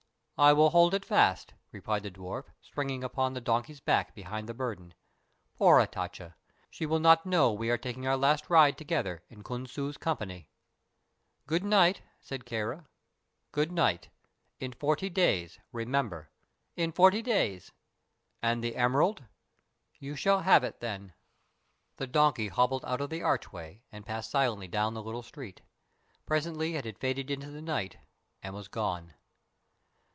"I will hold it fast," replied the dwarf, springing upon the donkey's back behind the burden. "Poor Hatatcha! She will not know we are taking our last ride together in Khonsu's company." "Good night," said Kāra. "Good night. In forty days, remember." "In forty days." "And the emerald?" "You shall have it then." The donkey hobbled out of the archway and passed silently down the little street. Presently it had faded into the night and was gone.